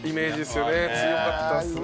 強かったですね。